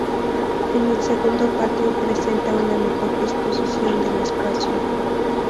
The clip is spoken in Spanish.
En el segundo patio presenta una mejor disposición del espacio.